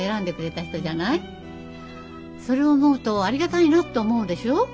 それを思うとありがたいなと思うでしょう？